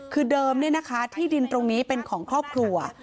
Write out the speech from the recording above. คือเดิมเนี่ยนะคะที่ดินตรงนี้เป็นของครอบครัว